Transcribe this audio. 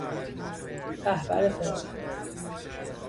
رهبر فرقه